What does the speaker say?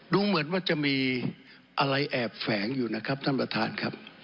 ดูเหมือนว่าจะมีอะไรแอบแฝงอยู่นะครับท่านประธานครับ